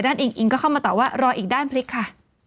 อิงอิงก็เข้ามาตอบว่ารออีกด้านพลิกค่ะ